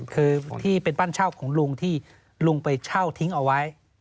คือที่เป็นบ้านเช่าของลุงที่ลุงไปเช่าทิ้งเอาไว้